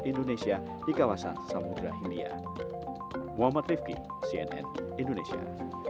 indonesia di kawasan samudera india muhammad rifqi cnn indonesia